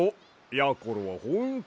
やころはほんと